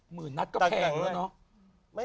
หมื่นนัสก็แพงด้วยนะ